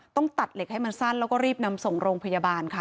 ต้องตัดเหล็กให้มันสั้นแล้วก็รีบนำส่งโรงพยาบาลค่ะ